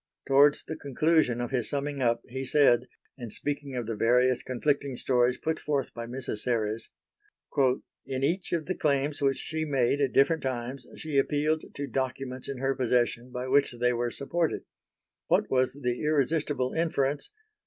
Towards the conclusion of his summing up he said, in speaking of the various conflicting stories put forth by Mrs. Serres: "In each of the claims which she made at different times, she appealed to documents in her possession by which they were supported. What was the irresistible inference?